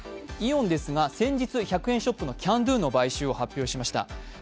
イオンですが、先日１００円ショップのＣａｎＤｏの買収を発表しました。